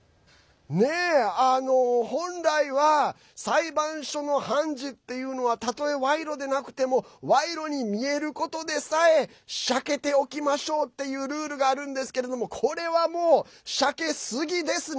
本来は裁判所の判事っていうのはたとえ賄賂でなくても賄賂に見えることでさえシャケておきましょうっていうルールがあるんですけどもこれは、もうシャケすぎですね！